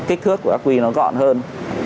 kích thước của ác quy gọn hơn